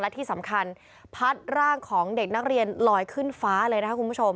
และที่สำคัญพัดร่างของเด็กนักเรียนลอยขึ้นฟ้าเลยนะคะคุณผู้ชม